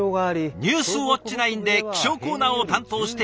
「ニュースウオッチ９」で気象コーナーを担当している斉田さん。